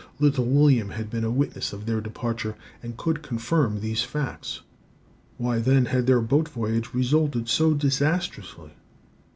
Little William had been a witness of their departure, and could confirm these facts. Why then had their boat voyage resulted so disastrously?